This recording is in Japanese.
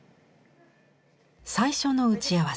最初の打ち合わせ。